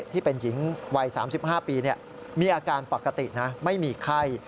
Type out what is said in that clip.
ที่เป็นหญิงวัย๓๕ปีมีอาการปกตินะไม่มีไข้